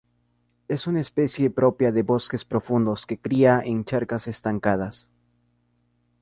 Es una especie propia de bosques profundos que cría en charcas estancadas.